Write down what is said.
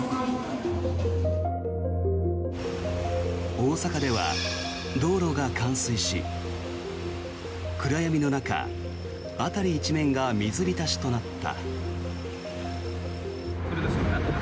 大阪では道路が冠水し暗闇の中、辺り一面が水浸しとなった。